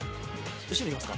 後ろ見ますか。